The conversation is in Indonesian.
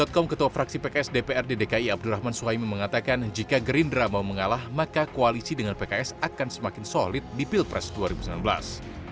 ketua fraksi pks dprd dki abdurrahman suhaimi mengatakan jika gerindra mau mengalah maka koalisi dengan pks akan semakin solid di pilpres dua ribu sembilan belas